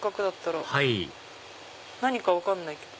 はい何か分かんないけど。